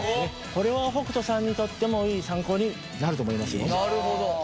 これは北斗さんにとってもいい参考になると思いますよ。